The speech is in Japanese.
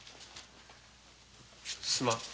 すまん。